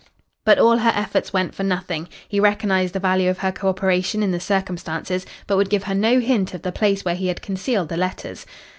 "But all her efforts went for nothing. He recognised the value of her co operation in the circumstances, but would give her no hint of the place where he had concealed the letters.